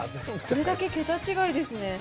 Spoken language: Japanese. これだけ桁違いですね。